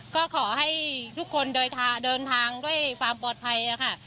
ก็ขอให้ทุกคนเดินทางด้วยความปลอดภัยค่ะ